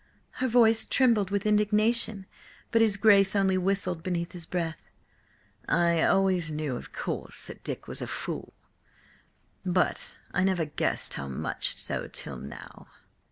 Her voice trembled with indignation, but his Grace only whistled beneath his breath. "I always knew, of course, that Dick was a fool, but I never guessed how much so till now!"